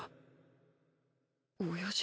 おやじ